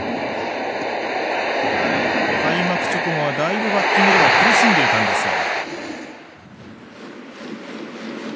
開幕直後はだいぶバッティングでは苦しんでいたんですが。